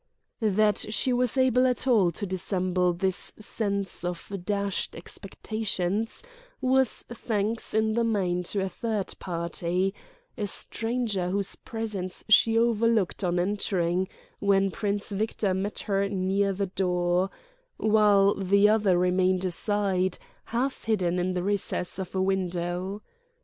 That she was able at all to dissemble this sense of dashed expectations was thanks in the main to a third party, a stranger whose presence she overlooked on entering, when Prince Victor met her near the door, while the other remained aside, half hidden in the recess of a window.